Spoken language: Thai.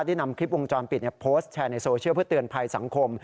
ได้นำคลิปวงจรปิดโพสต์แชร์ในโซเชียลเพื่อเตือนภัยสังคม